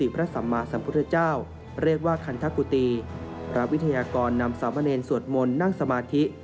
พระวิทยากรนำสามเมรินสวดมนต์นั่งสมาธิ